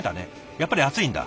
やっぱり熱いんだ。